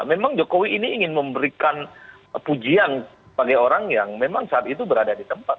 memang jokowi ini ingin memberikan pujian bagi orang yang memang saat itu berada di tempat